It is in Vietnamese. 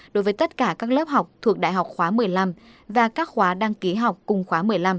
đối với tất cả các lớp học thuộc đại học khóa một mươi năm và các khóa đăng ký học cùng khóa một mươi năm